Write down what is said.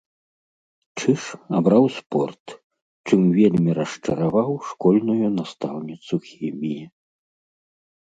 Чыж абраў спорт, чым вельмі расчараваў школьную настаўніцу хіміі.